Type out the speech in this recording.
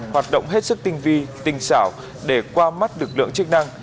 hoạt động hết sức tinh vi tinh xảo để qua mắt lực lượng chức năng